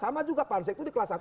sama juga pansek itu di kelas satu